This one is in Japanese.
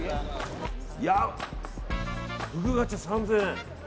ふぐガチャ３０００円。